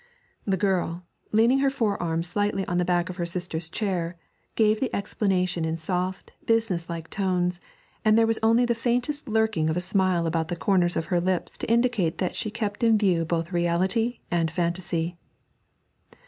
The girl, leaning her forearms slightly on the back of her sister's chair, gave the explanation in soft, business like tones, and there was only the faintest lurking of a smile about the corners of her lips to indicate that she kept in view both reality and fantasy.